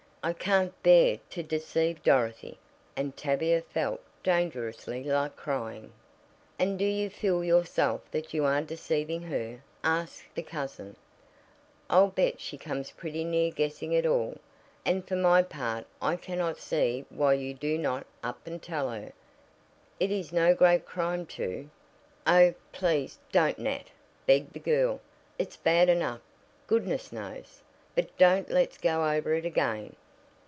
I can't bear to deceive Dorothy!" and Tavia felt dangerously like crying. "And do you fool yourself that you are deceiving her?" asked the cousin. "I'll bet she comes pretty near guessing it all, and for my part I cannot see why you do not up and tell her. It is no great crime to " "Oh, please, don't, Nat!" begged the girl. "It's bad enough, goodness knows, but don't let's go over it again."